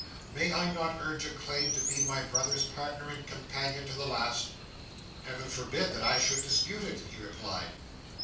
May I not urge a claim to be my brother's partner and companion to the last?" "Heaven forbid that I should dispute it!" he replied.